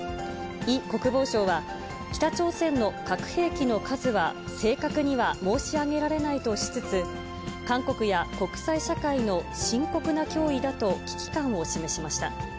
イ国防相は、北朝鮮の核兵器の数は正確には申し上げられないとしつつ、韓国や国際社会の深刻な脅威だと危機感を示しました。